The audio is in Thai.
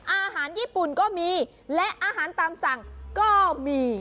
อาหารญี่ปุ่นก็มีและอาหารตามสั่งก็มี